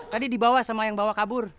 tadi dibawa sama yang bawa kabur